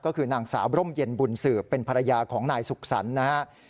ก็คือนางสาวร่มเย็นบุญสืบเป็นภรรยาของนายสุขสรรค์นะครับ